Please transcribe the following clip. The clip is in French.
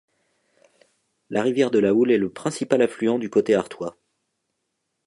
La rivière de la Houlle est le principal affluent du côté Artois.